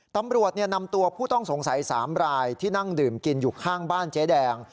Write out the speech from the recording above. ตำรวจนำตัวผู้ต้องสงสัย๓รายที่นั่งดื่มกินอยู่ข้างบ้านเจ๊แดง